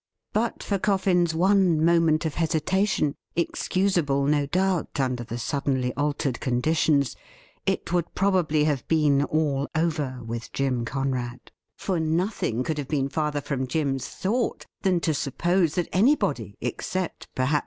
But for Coffin's one moment of hesitation, excusable, no doubt, under the suddenly altered conditions, it would probably have been all over with Jim Conrad. For nothing could have been farther from Jim's thought than to suppose that anybody, except, perhaps.